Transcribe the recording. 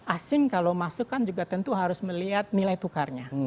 asing kalau masuk kan juga tentu harus melihat nilai tukarnya